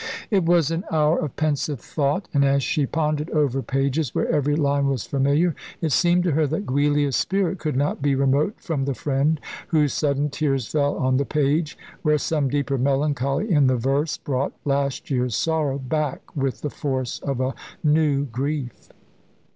It was an hour of pensive thought, and as she pondered over pages where every line was familiar, it seemed to her that Giulia's spirit could not be remote from the friend whose sudden tears fell on the page, where some deeper melancholy in the verse brought last year's sorrow back with the force of a new grief.